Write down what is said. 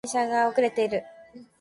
電車が遅れている